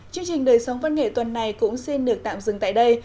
chương trình đời sống văn nghệ tuần này cũng xin được tạm dừng tại đây